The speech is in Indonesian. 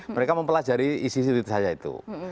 mereka mempelajari isi isi itu saja itu